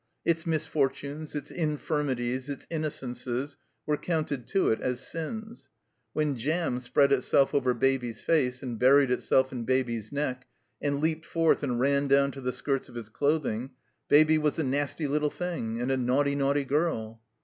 Its misfortunes, its infirmities, its innocences were coimted to it as sins. When jam spread itself over Baby's face and buried itself in Baby's neck, and leaped forth and ran down to the skirts of its cloth ing. Baby was *'a nasty little thing!" and a naughty, naughty girl!"